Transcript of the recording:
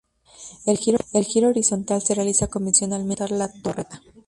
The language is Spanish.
El giro horizontal se realiza convencionalmente al rotar la torreta.